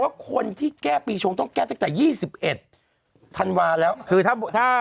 ว่าคนที่แก้ปีชงต้องแก้ตั้งแต่๒๑ธันวาแล้วคือถ้า